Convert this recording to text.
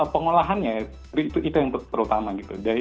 pengolahannya itu yang terutama gitu